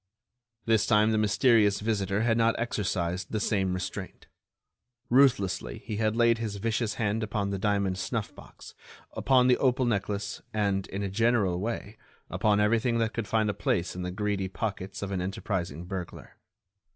This time the mysterious visitor had not exercised the same restraint. Ruthlessly, he had laid his vicious hand upon the diamond snuff box, upon the opal necklace, and, in a general way, upon everything that could find a place in the greedy pockets of an enterprising burglar.